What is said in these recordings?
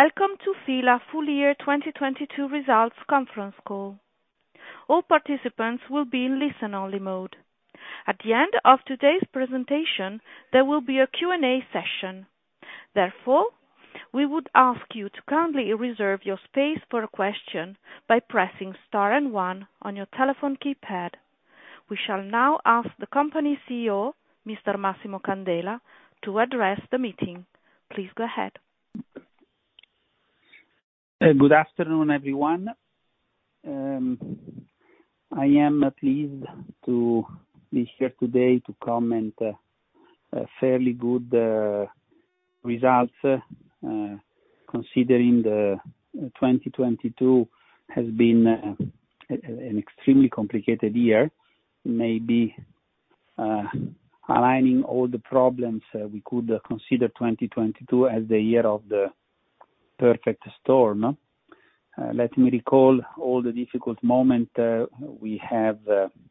Welcome to FILA Full Year 2022 Results Conference Call. All participants will be in listen only mode. At the end of today's presentation, there will be a Q&A session. We would ask you to kindly reserve your space for a question by pressing star and one on your telephone keypad. We shall now ask the company CEO, Mr. Massimo Candela, to address the meeting. Please go ahead. Good afternoon, everyone. I am pleased to be here today to comment fairly good results, considering the 2022 has been an extremely complicated year, maybe aligning all the problems, we could consider 2022 as the year of the perfect storm. Let me recall all the difficult moment we have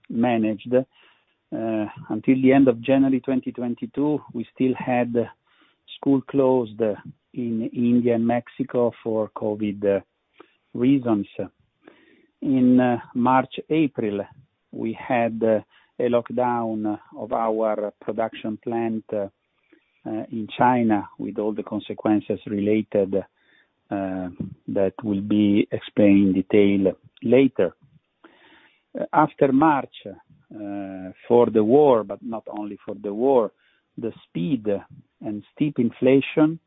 managed. Until the end of January 2022, we still had school closed in India and Mexico for COVID reasons. In March, April, we had a lockdown of our production plant in China with all the consequences related that will be explained in detail later. After March, for the war, but not only for the war, the speed and steep inflation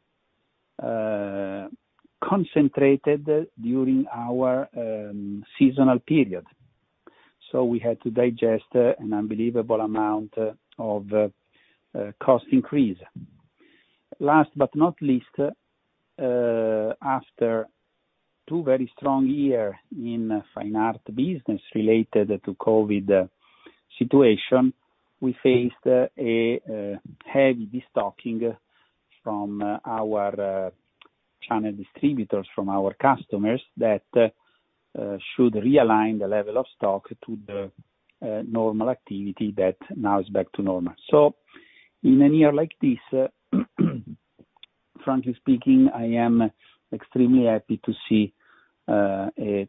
concentrated during our seasonal period. We had to digest an unbelievable amount of cost increase. Last but not least, after 2 very strong year in fine art business related to COVID situation, we faced a heavy destocking from our channel distributors, from our customers that should realign the level of stock to the normal activity that now is back to normal. In a year like this, frankly speaking, I am extremely happy to see a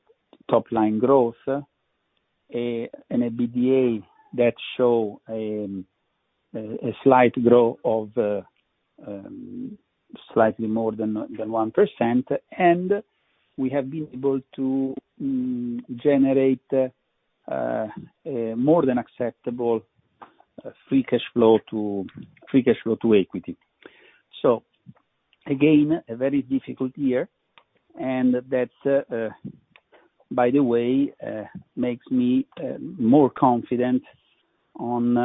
top line growth, a an EBITDA that show a slight growth of slightly more than 1%. We have been able to generate a more than acceptable free cash flow to equity. Again, a very difficult year, and that, by the way, makes me more confident on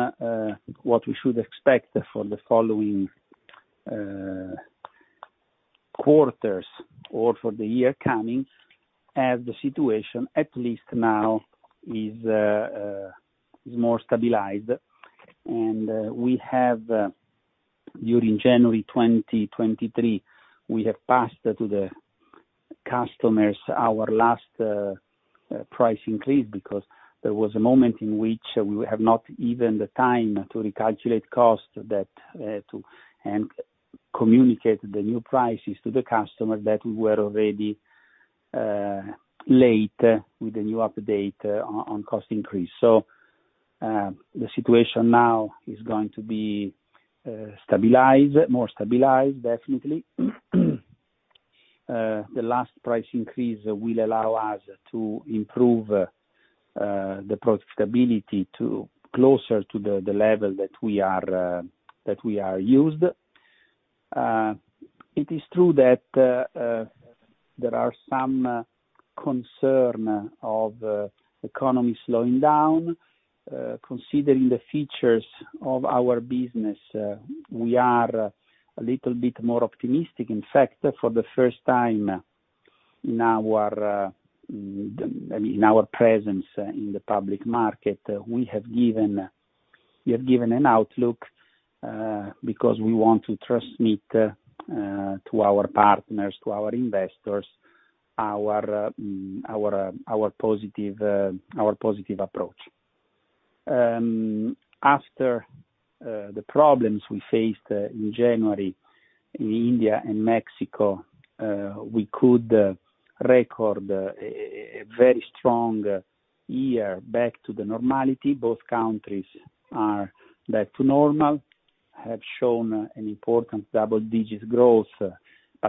what we should expect for the following quarters or for the year coming, as the situation at least now is more stabilized. We have, during January 2023, we have passed to the customers our last price increase because there was a moment in which we have not even the time to recalculate costs that to and communicate the new prices to the customer that we were already late with the new update on cost increase. The situation now is going to be stabilized, more stabilized, definitely. The last price increase will allow us to improve the profitability to closer to the level that we are that we are used. It is true that there are some concern of economy slowing down. Considering the features of our business, we are a little bit more optimistic. For the first time in our presence in the public market, we have given an outlook because we want to transmit to our partners, to our investors, our positive approach. After the problems we faced in January in India and Mexico, we could record a very strong year back to the normality. Both countries are back to normal, have shown an important double-digit growth,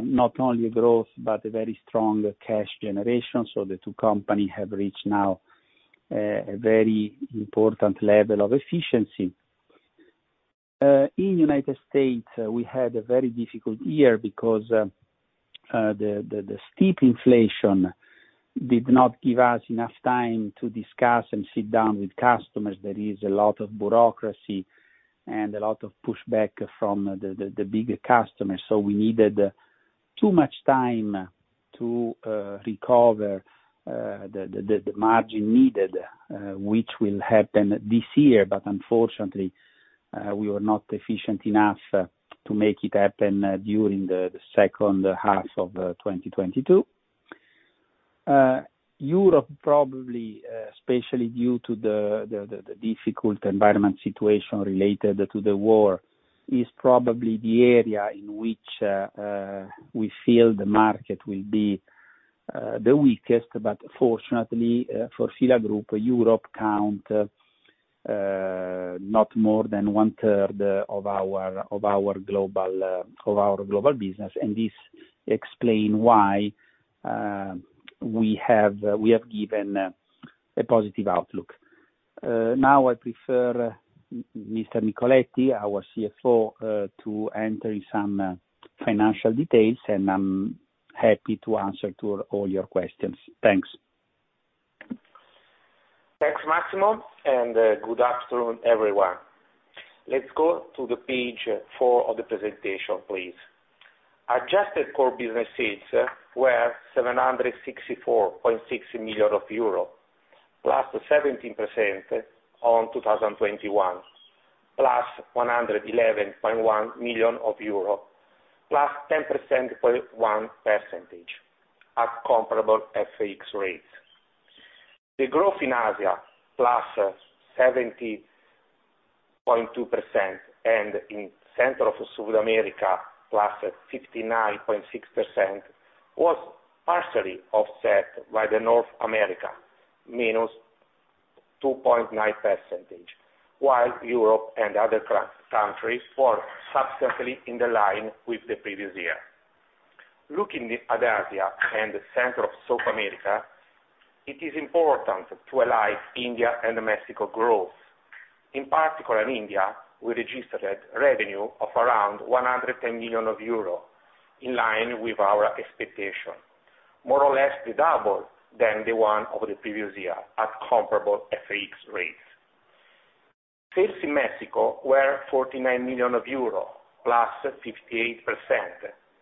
not only growth, but a very strong cash generation. The two company have reached now a very important level of efficiency. In United States, we had a very difficult year because the steep inflation did not give us enough time to discuss and sit down with customers. There is a lot of bureaucracy and a lot of pushback from the bigger customers. We needed too much time to recover the margin needed, which will happen this year. Unfortunately, we were not efficient enough to make it happen during the second half of 2022. Europe probably, especially due to the difficult environment situation related to the war, is probably the area in which we feel the market will be the weakest. Fortunately, for FILA Group, Europe count not more than one third of our global business. This explain why we have given a positive outlook. Now I prefer Mr. Nicoletti, our CFO, to enter in some financial details. I'm happy to answer to all your questions. Thanks. Thanks, Massimo. Good afternoon, everyone. Let's go to the page four of the presentation, please. Adjusted core business sales were 764.60 million euro, +17% on 2021, +111.1 million euro, +10.1% at comparable FX rates. The growth in Asia, +70.2%, and in Central of South America, +59.6%, was partially offset by the North America, -2.9%, while Europe and other countries were substantially in the line with the previous year. Looking at Asia and the Center of South America, it is important to highlight India and Mexico growth. In particular, in India, we registered revenue of around 110 million euro, in line with our expectation, more or less the double than the one over the previous year at comparable FX rates. Sales in Mexico were 49 million euro, plus 58%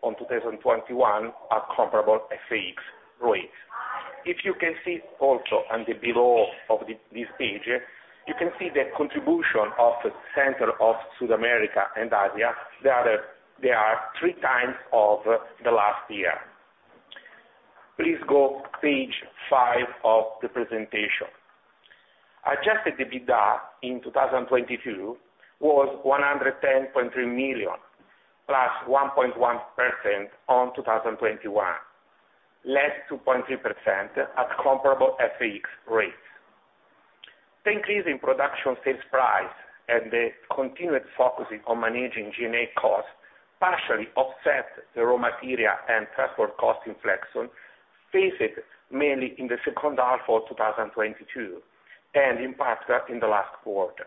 on 2021 at comparable FX rates. If you can see also on the below of this page, you can see the contribution of the Center of South America and Asia, that they are 3 times of the last year. Please go page five of the presentation. Adjusted EBITDA in 2022 was 110.3 million, plus 1.1% on 2021, less 2.3% at comparable FX rates. The increase in production sales price and the continued focusing on managing G&A costs partially offset the raw material and transport cost inflection faced mainly in the second half of 2022, and in particular in the last quarter.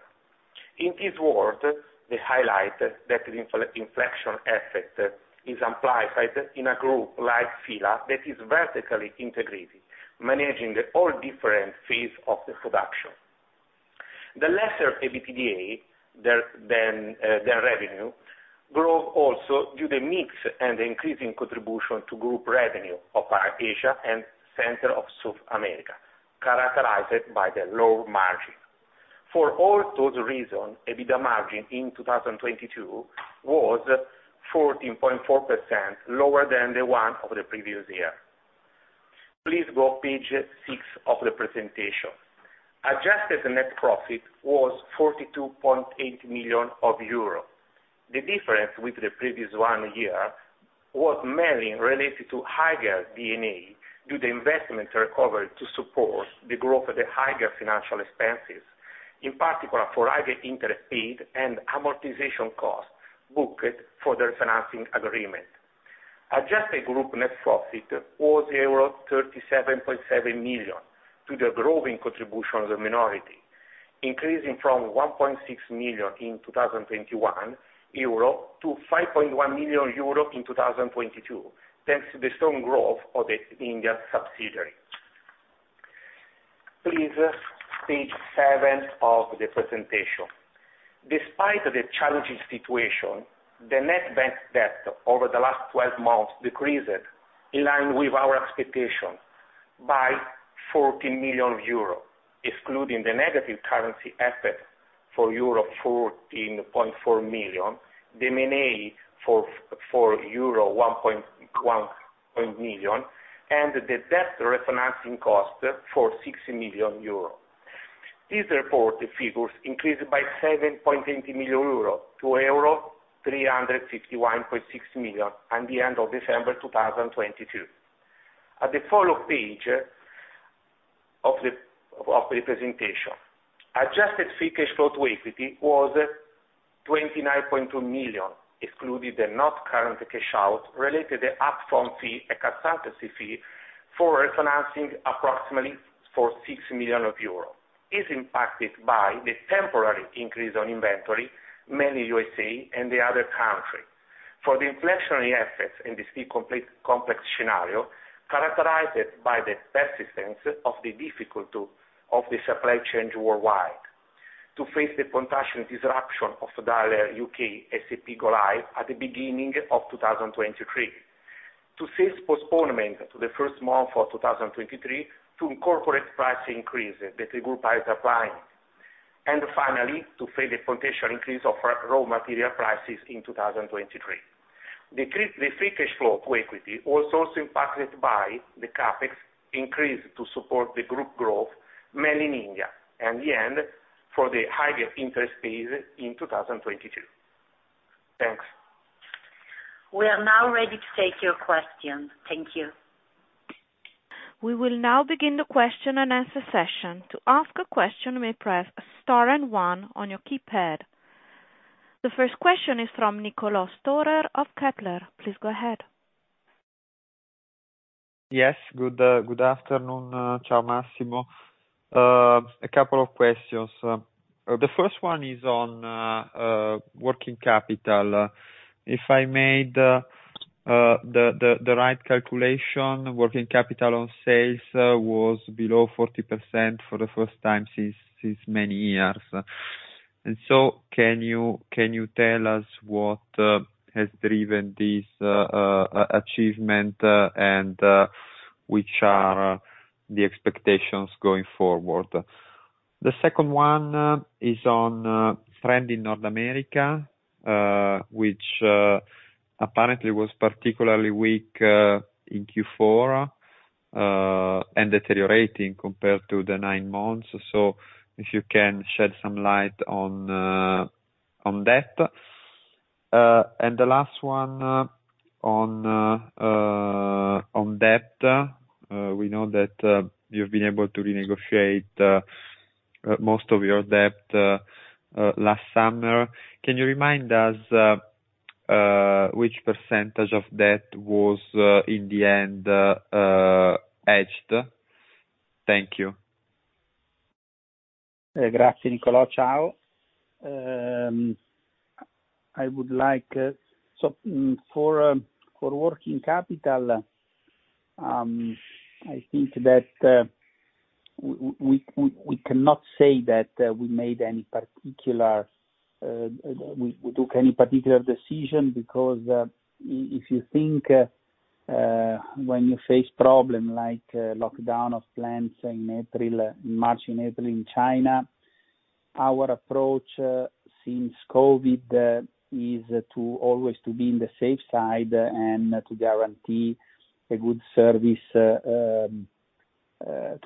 In this world, they highlight that the inflection effect is amplified in a group like FILA that is vertically integrated, managing the all different phase of the production. The lesser EBITDA, their revenue grow also due to mix and increasing contribution to group revenue of Asia and Center of South America, characterized by the low margin. For all those reasons, EBITDA margin in 2022 was 14.4% lower than the one over the previous year. Please go page six of the presentation. Adjusted net profit was 42.8 million euro. The difference with the previous one year was mainly related to higher D&A due to investment recovery to support the growth of the higher financial expenses, in particular for higher interest paid and amortization costs booked for the refinancing agreement. Adjusted group net profit was euro 37.7 million to the growing contribution of the minority, increasing from 1.6 million in 2021 to 5.1 million euro in 2022, thanks to the strong growth of the India subsidiary. Please, page seven of the presentation. Despite the challenging situation, the net bank debt over the last 12 months decreased in line with our expectations by 14 million euro, excluding the negative currency effect for euro 14.4 million, the M&A for euro 1.1 million, and the debt refinancing cost for 60 million euro. These reported figures increased by 7.80 million euro to euro 361.6 million at the end of December 2022. At the follow page of the presentation, adjusted free cash flow to equity was 29.2 million, excluding the not current cash out related to up-front fee, accountancy fee for refinancing approximately for 6 million euros is impacted by the temporary increase on inventory, mainly USA and the other country. For the inflationary effects in this complex scenario, characterized by the persistence of the difficulty of the supply chain worldwide to face the potential disruption of the U.K. SAP Go-live at the beginning of 2023, to sales postponement to the first month of 2023 to incorporate price increases that the group is applying. Finally, to face the potential increase of our raw material prices in 2023. The free cash flow to equity also impacted by the CapEx increase to support the group growth, mainly in India, and the end for the higher interest paid in 2022. Thanks. We are now ready to take your questions. Thank you. We will now begin the question and answer session. To ask a question, you may press star and one on your keypad. The first question is from Niccolò Storer of Kepler. Please go ahead. Yes, good afternoon, Massimo. A couple of questions. The first one is on working capital. If I made the right calculation, working capital on sales was below 40% for the first time since many years. Can you tell us what has driven this achievement, and which are the expectations going forward? The second one is on trend in North America, which apparently was particularly weak in Q4, and deteriorating compared to the nine months. If you can shed some light on that. The last one on debt. We know that you've been able to renegotiate most of your debt last summer. Can you remind us, which percentage of debt was in the end, edged? Thank you. Gracias, Niccolo. Ciao. I would like, so for working capital, I think that we cannot say that we took any particular decision because if you think, when you face problem like lockdown of plants in April, March and April in China, our approach since COVID is to always be in the safe side and to guarantee a good service to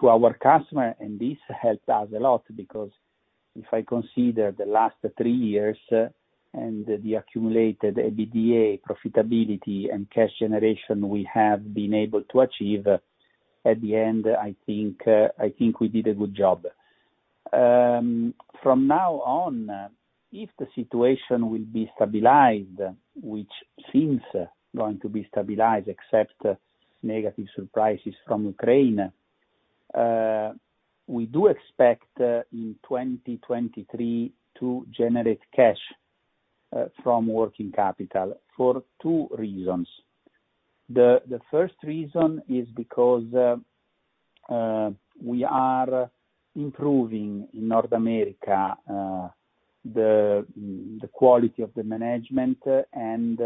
our customer. This helped us a lot because if I consider the last three years, and the accumulated EBITDA profitability and cash generation we have been able to achieve, at the end, I think, I think we did a good job. From now on, if the situation will be stabilized, which seems going to be stabilized, except negative surprises from Ukraine, we do expect in 2023 to generate cash from working capital for two reasons. The first reason is because we are improving in North America, the quality of the management and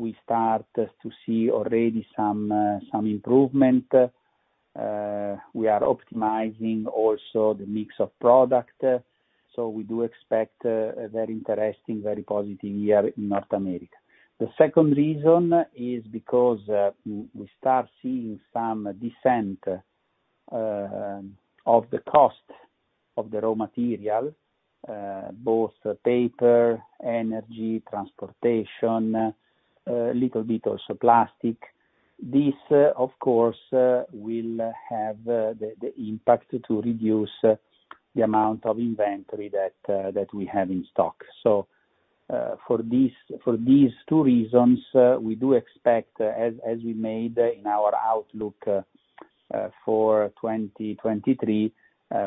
we start to see already some improvement. We are optimizing also the mix of product, so we do expect a very interesting, very positive year in North America. The second reason is because we start seeing some descent of the cost of the raw material, both paper, energy, transportation, little bit also plastic. This, of course, will have the impact to reduce the amount of inventory that we have in stock. For these two reasons, we do expect as we made in our outlook for 2023,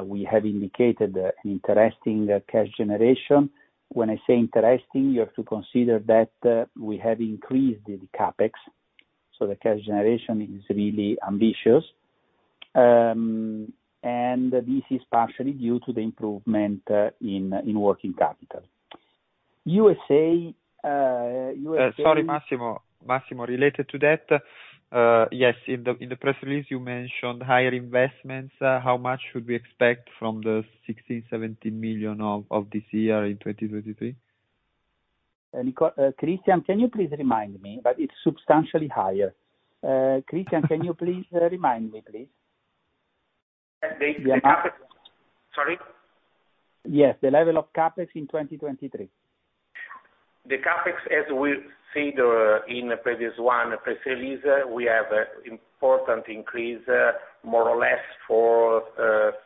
we have indicated interesting cash generation. When I say interesting, you have to consider that we have increased the CapEx, so the cash generation is really ambitious. And this is partially due to the improvement in working capital. Sorry, Massimo, related to that, yes, in the press release you mentioned higher investments. How much should we expect from the 60 million-70 million of this year in 2023? Cristian, can you please remind me? It's substantially higher. Cristian, can you please remind me, please? The CapEx, sorry. Yes, the level of CapEx in 2023. The CapEx, as we said, in previous one press release, we have important increase more or less for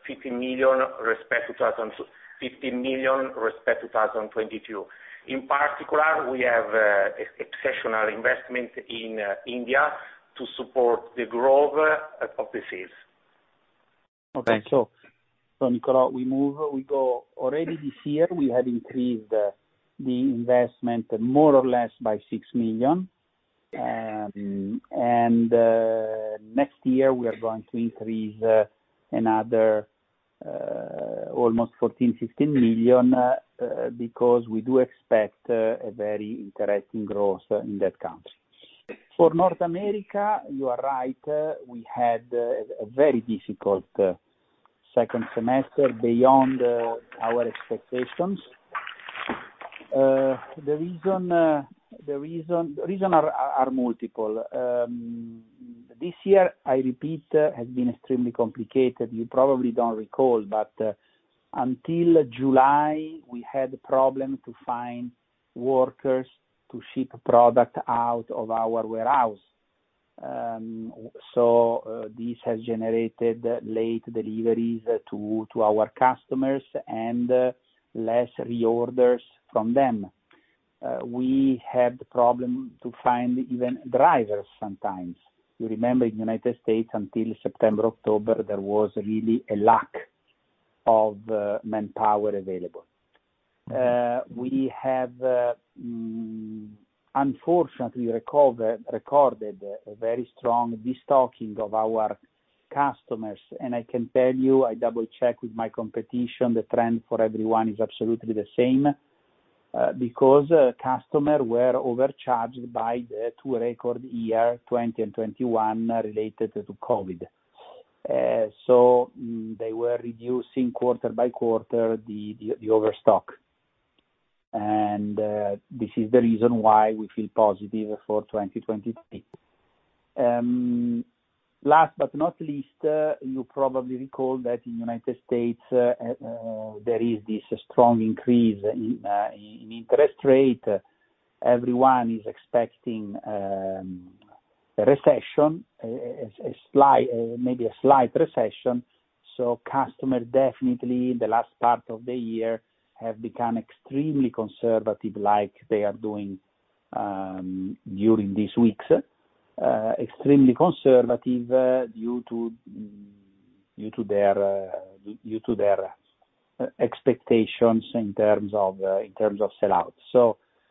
50 million respect 2022. In particular, we have exceptional investment in India to support the growth of the sales. Okay. Niccolo, we move, we go. Already this year, we have increased the investment more or less by 6 million. Next year, we are going to increase another almost 14 million-15 million because we do expect a very interesting growth in that country. For North America, you are right. We had a very difficult second semester beyond our expectations. The reason are multiple. This year, I repeat, has been extremely complicated. You probably don't recall, until July, we had a problem to find workers to ship product out of our warehouse. This has generated late deliveries to our customers and less reorders from them. We had problem to find even drivers sometimes. You remember in the U.S. until September, October, there was really a lack of manpower available. We have unfortunately recorded a very strong destocking of our customers. I can tell you, I double-checked with my competition, the trend for everyone is absolutely the same, because customer were overcharged by the two record year, 20 and 21, related to COVID. They were reducing quarter by quarter the overstock. This is the reason why we feel positive for 2023. Last but not least, you probably recall that in U.S. there is this strong increase in interest rate. Everyone is expecting a recession, maybe a slight recession. customer definitely, in the last part of the year, have become extremely conservative like they are doing during these weeks. extremely conservative due to their expectations in terms of sell-out.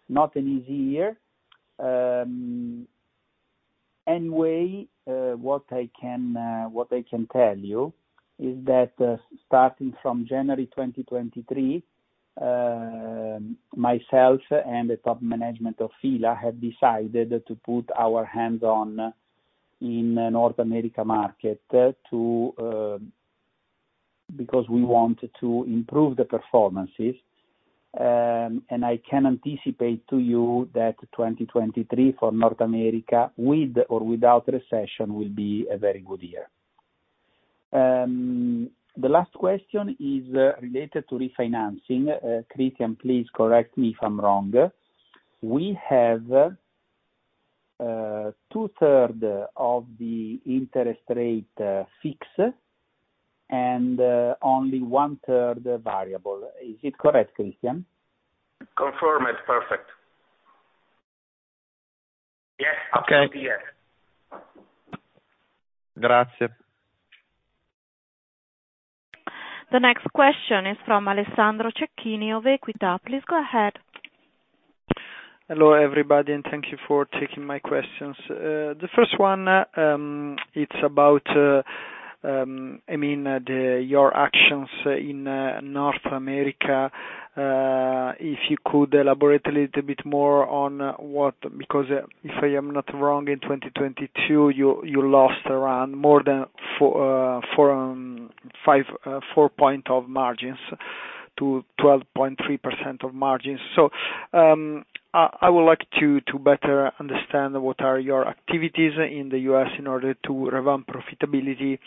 not an easy year. anyway, what I can tell you is that starting from January 2023, myself and the top management of F.I.L.A. have decided to put our hands on in North America market to because we want to improve the performances. I can anticipate to you that 2023 for North America, with or without recession, will be a very good year. the last question is related to refinancing. Cristian, please correct me if I'm wrong. We have, two-third of the interest rate, fixed and, only one-third variable. Is it correct, Cristian? Confirmed. Perfect. Yes, absolutely yes. Okay. Grazie. The next question is from Alessandro Cecchini of Equita. Please go ahead. Hello, everybody, thank you for taking my questions. The first one, I mean, it's about your actions in North America. If you could elaborate a little bit more on what. If I am not wrong, in 2022, you lost around more than 4% of margins to 12.3% of margins. I would like to better understand what are your activities in the U.S. in order to revamp profitability.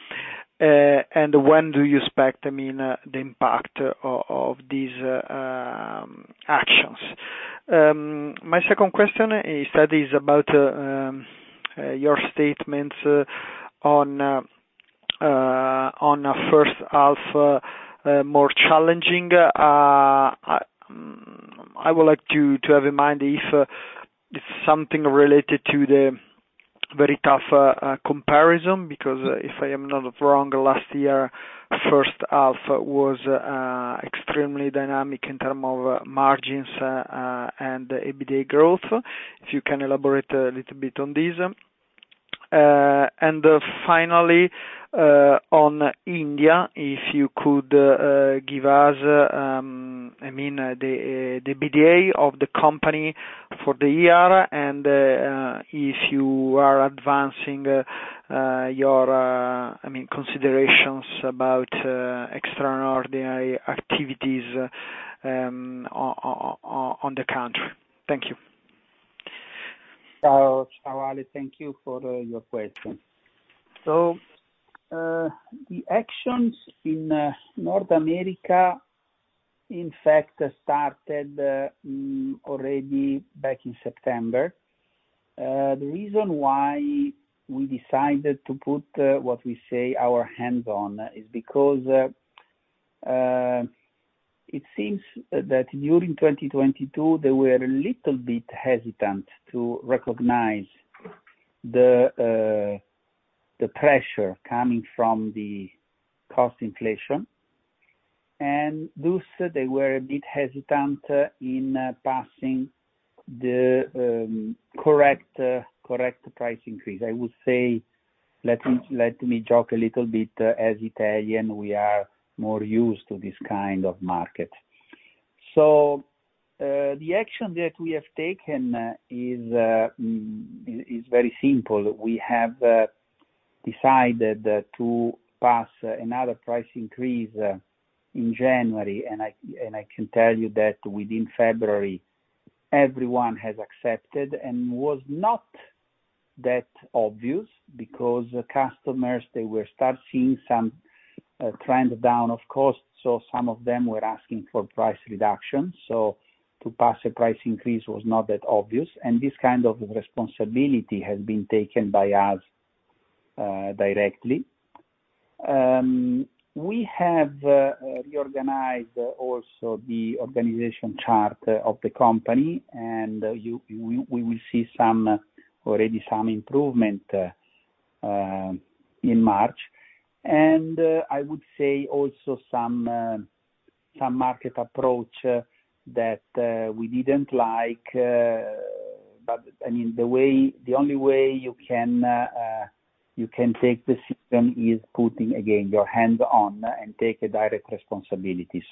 When do you expect, I mean, the impact of these actions? My second question instead is about your statements on first half more challenging. I would like to have in mind if it's something related to the very tough comparison, because if I am not wrong, last year, first half was extremely dynamic in term of margins and EBITDA growth. If you can elaborate a little bit on this. Finally, on India, if you could give us, I mean, the EBITDA of the company for the year and if you are advancing your, I mean, considerations about extraordinary activities on the country. Thank you. Alessandro, thank you for your question. The actions in North America, in fact, started already back in September. The reason why we decided to put what we say our hands on is because it seems that during 2022, they were a little bit hesitant to recognize the pressure coming from the cost inflation. Thus, they were a bit hesitant in passing the correct price increase. I would say, let me joke a little bit. As Italian, we are more used to this kind of market. The action that we have taken is very simple. We have decided to pass another price increase in January. I can tell you that within February everyone has accepted. Was not that obvious because customers, they were start seeing some trend down of costs. Some of them were asking for price reduction. To pass a price increase was not that obvious. This kind of responsibility has been taken by us directly. We have reorganized also the organization chart of the company. We will see already some improvement in March. I would say also some market approach that we didn't like. I mean, the only way you can take the system is putting again your hands on and take a direct responsibility.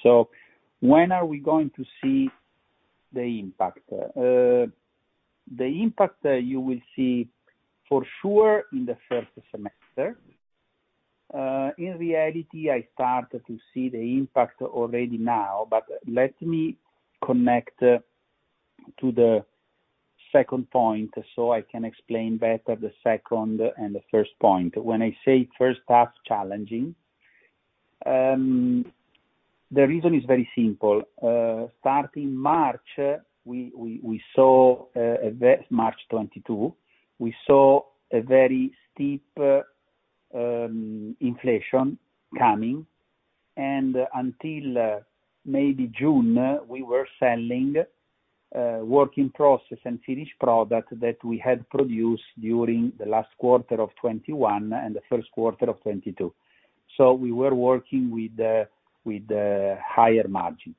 When are we going to see the impact? The impact you will see for sure in the first semester. In reality, I start to see the impact already now, but let me connect to the second point so I can explain better the second and the first point. When I say first half challenging, the reason is very simple. Starting March, we saw March 2022, we saw a very steep inflation coming, and until maybe June, we were selling work in process and finished product that we had produced during the last quarter of 2021 and the first quarter of 2022. We were working with the higher margin.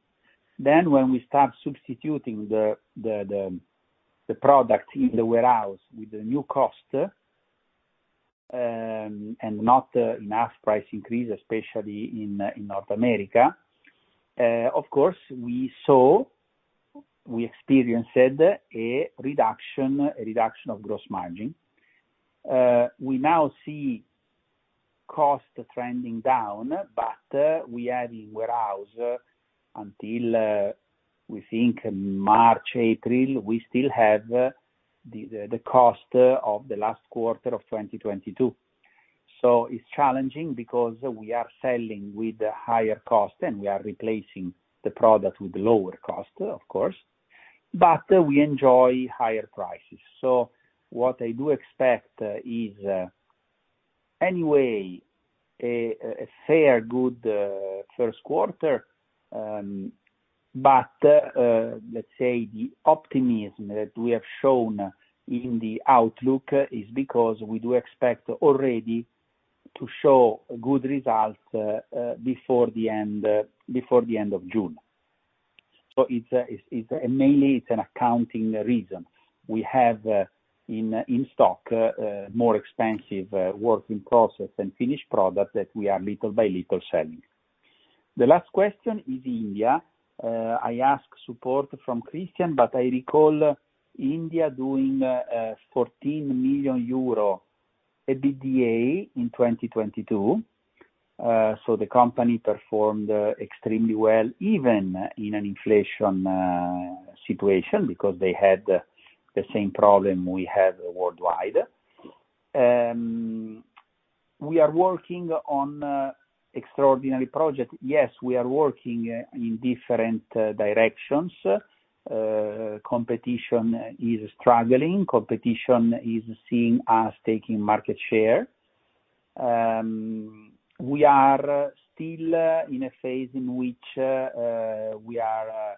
When we start substituting the product in the warehouse with the new cost, and not enough price increase, especially in North America, of course, we saw we experienced a reduction of gross margin. We now see cost trending down, but we have in warehouse until we think March, April, we still have the cost of the last quarter of 2022. It's challenging because we are selling with higher cost and we are replacing the product with lower cost, of course, but we enjoy higher prices. What I do expect is any way a fair good first quarter. Let's say the optimism that we have shown in the outlook is because we do expect already to show good results before the end, before the end of June. It's mainly an accounting reason. We have in-stock more expensive work in process and finished product that we are little by little selling. The last question is India. I ask support from Cristian, I recall India doing 14 million euro EBITDA in 2022. The company performed extremely well, even in an inflation situation because they had the same problem we had worldwide. We are working on extraordinary project. Yes, we are working in different directions. Competition is struggling. Competition is seeing us taking market share. We are still in a phase in which we are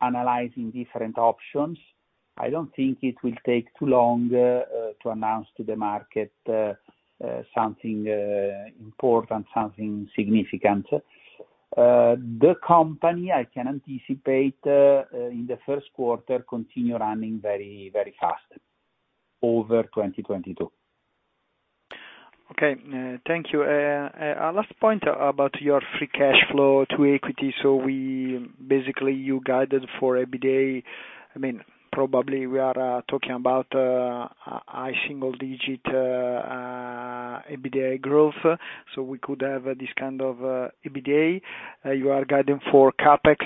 analyzing different options. I don't think it will take too long to announce to the market something important, something significant. The company, I can anticipate, in the first quarter, continue running very, very fast over 2022. Okay. Thank you. Our last point about your free cash flow to equity. We basically you guided for EBITDA. I mean, probably we are talking about a high single digit EBITDA growth. We could have this kind of EBITDA. You are guiding for CapEx,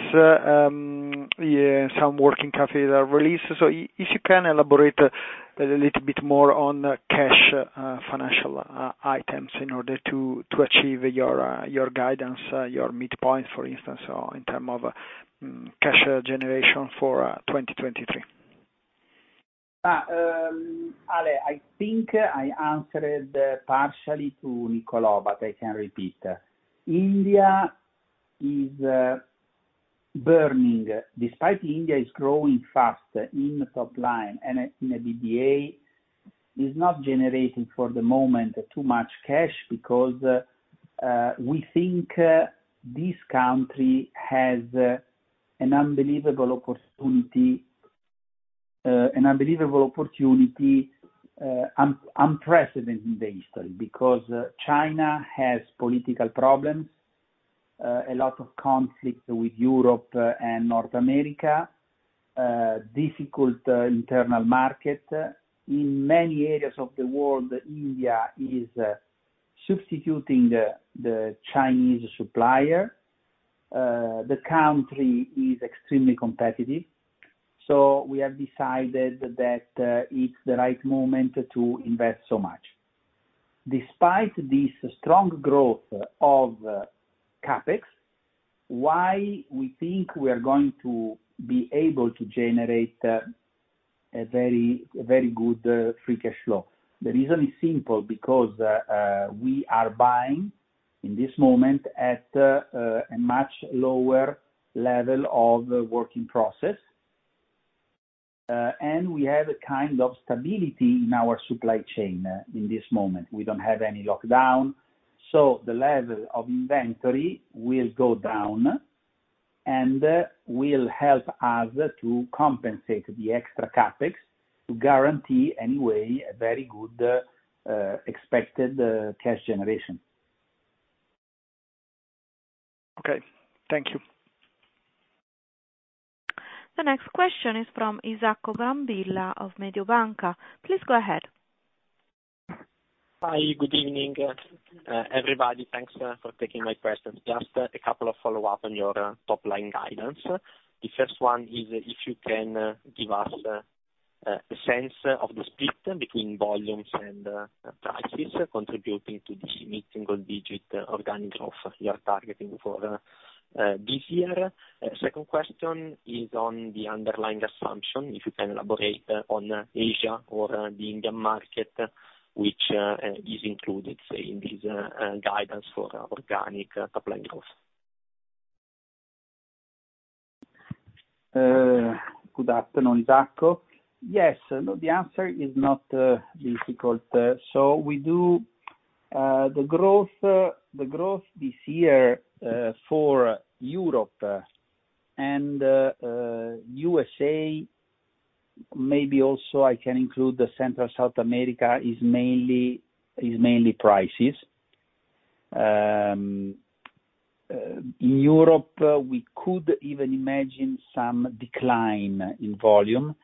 yeah, some working capital release. If you can elaborate a little bit more on cash, financial items in order to achieve your guidance, your midpoint, for instance, or in term of cash generation for 2023. Ale, I think I answered partially to Niccolo, but I can repeat. India is burning. Despite India is growing fast in top line and in EBITDA, is not generating for the moment too much cash because we think this country has an unbelievable opportunity, unprecedented in the history because China has political problems, a lot of conflict with Europe and North America, difficult internal market. In many areas of the world, India is substituting the Chinese supplier. The country is extremely competitive. We have decided that it's the right moment to invest so much. Despite this strong growth of CapEx, why we think we are going to be able to generate a very, very good free cash flow? The reason is simple, because we are buying in this moment at a much lower level of working process, and we have a kind of stability in our supply chain in this moment. We don't have any lockdown. The level of inventory will go down, and will help us to compensate the extra CapEx to guarantee any way a very good, expected, cash generation. Okay. Thank you. The next question is from Isacco Brambilla of Mediobanca. Please go ahead. Hi, good evening, everybody. Thanks for taking my questions. Just a couple of follow up on your top line guidance. First one is if you can give us a sense of the split between volumes and prices contributing to the mid-single-digit organic growth you are targeting for this year. Second question is on the underlying assumption, if you can elaborate on Asia or the Indian market, which is included, say, in this guidance for organic top line growth. Good afternoon, Isacco. Yes. No, the answer is not difficult. The growth this year for Europe, and USA, maybe also I can include Central South America, is mainly prices. In Europe, we could even imagine some decline in volume.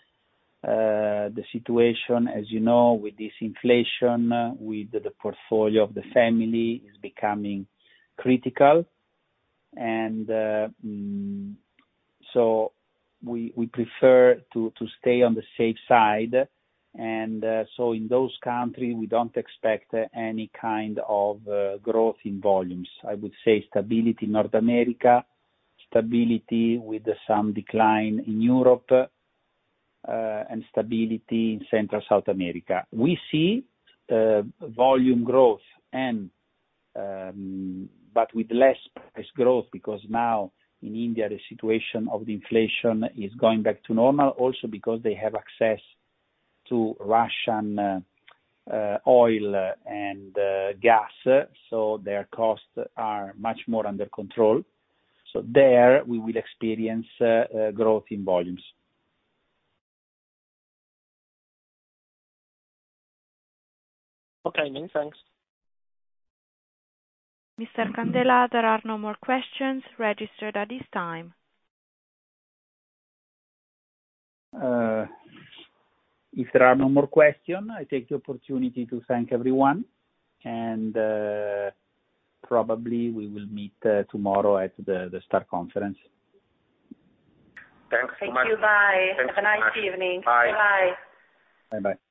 The situation, as you know, with this inflation, with the portfolio of the family is becoming critical. We prefer to stay on the safe side. In those country, we don't expect any kind of growth in volumes. I would say stability in North America, stability with some decline in Europe, and stability in Central South America. We see volume growth and, but with less price growth, because now in India, the situation of the inflation is going back to normal, also because they have access to Russian oil and gas, so their costs are much more under control. There we will experience growth in volumes. Okay, thanks. Mr. Candela, there are no more questions registered at this time. If there are no more question, I take the opportunity to thank everyone. Probably we will meet tomorrow at the STAR Conference. Thanks so much. Thank you. Bye. Thanks so much. Have a nice evening. Bye. Bye-bye.